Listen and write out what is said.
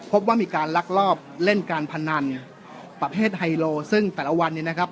พบว่ามีการลักลอบเล่นการพนันประเภทไฮโลซึ่งแต่ละวันนี้นะครับ